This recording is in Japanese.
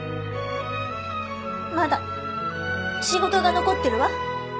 まだ仕事が残ってるわ。